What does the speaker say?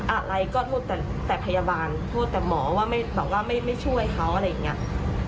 อะไรก็โทษแต่พยาบาลโทษแต่หมอว่าไม่แบบว่าไม่ช่วยเขาอะไรอย่างนี้